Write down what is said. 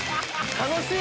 楽しい！